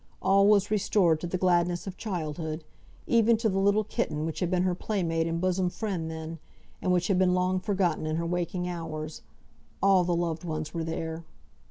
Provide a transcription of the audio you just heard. All was restored to the gladness of childhood, even to the little kitten which had been her playmate and bosom friend then, and which had been long forgotten in her waking hours. All the loved ones were there!